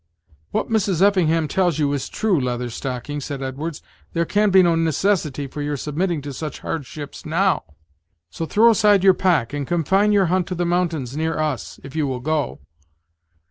"What Mrs. Effingham tells you is true, Leather Stocking," said Edwards; "there can be no necessity for your submitting to such hardships now. So throw aside your pack, and confine your hunt to the mountains near us, if you will go."